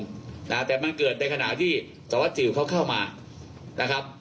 นะฮะแต่มันเกิดในขณะที่สวเขาเข้ามานะครับ